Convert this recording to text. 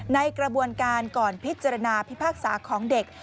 ในกระบวนการก่อนพิจารณาพิพากษาของเด็ก